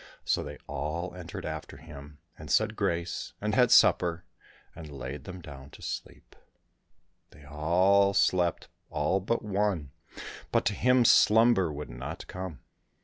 So they all entered after him, and said grace, and had supper, and laid them down to sleep. They all slept, all but one, but to him slumber would not come.